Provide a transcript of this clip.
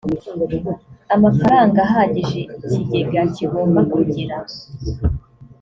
amafaranga ahagije ikigega kigomba kugira